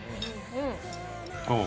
どう？